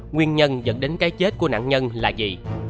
nguyên nhân dẫn đến cái chết của nạn nhân là gì